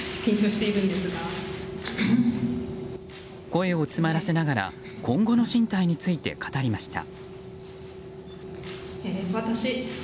声を詰まらせながら今後の進退について語りました。